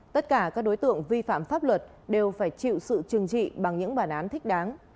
tất cả các đối tượng vi phạm pháp luật đều phải chịu sự trừng trị bằng những bản án thích đáng